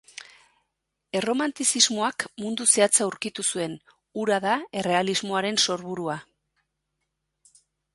Erromantizismoak mundu zehatza aurkitu zuen: hura da errealismoaren sorburua.